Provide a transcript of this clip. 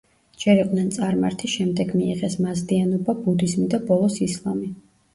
ჯერ იყვნენ წარმართი, შემდეგ მიიღეს მაზდეანობა, ბუდიზმი და ბოლოს ისლამი.